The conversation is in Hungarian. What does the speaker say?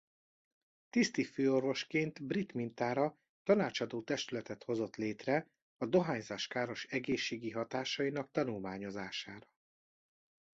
Tiszti főorvosként brit mintára tanácsadó testületet hozott létre a dohányzás káros egészségi hatásainak tanulmányozására.